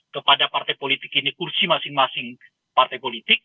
kepada partai politik ini kursi masing masing partai politik